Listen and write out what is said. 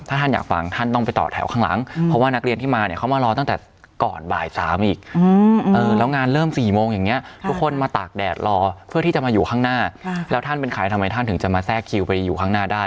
ถ้าท่านอยากฟังท่านต้องไปต่อแถวข้างหลังเพราะว่านักเรียนที่มาเนี่ยเขามารอตั้งแต่ก่อนบ่าย๓อีกแล้วงานเริ่ม๔โมงอย่างนี้ทุกคนมาตากแดดรอเพื่อที่จะมาอยู่ข้างหน้าแล้วท่านเป็นใครทำไมท่านถึงจะมาแทรกคิวไปอยู่ข้างหน้าได้